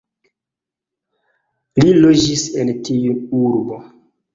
Li loĝis en tiu urbo.